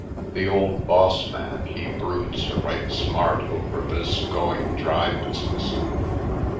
The old boss man he broods a right smart over this going dry business.